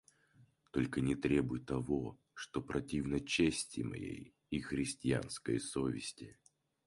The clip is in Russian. Только не требуй того, что противно чести моей и христианской совести.